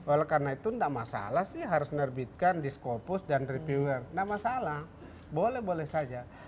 oleh karena itu tidak masalah sih harus menerbitkan diskopus dan reviewer tidak masalah boleh boleh saja